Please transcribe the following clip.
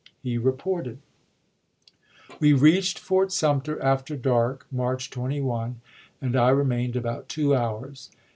He reported : We reached Fort Sumter after dark [March 21], and i86i. I remained about two hours.